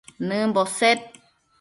nëmbo sed